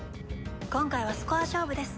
今回はスコア勝負です。